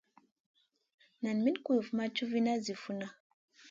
Nam Min kulufn ma cufina zi funa.